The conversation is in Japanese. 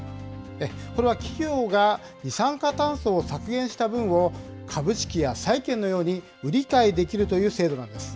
これは企業が二酸化炭素を削減した分を株式や債券のように売り買いできるという制度なんです。